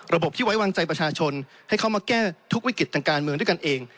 ที่ไว้วางใจประชาชนให้เขามาแก้ทุกวิกฤตทางการเมืองด้วยกันเอง